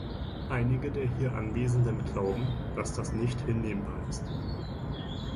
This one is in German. Einige der hier Anwesenden glauben, dass das nicht hinnehmbar ist.